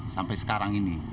sampai sekarang ini